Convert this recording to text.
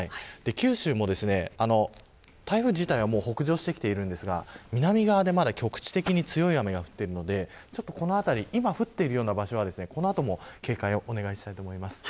九州も台風自体は北上してきていますが南側で局地的に強い雨が降っているのでこの辺り、今降っているような場所は、この後も警戒をお願いしたいと思います。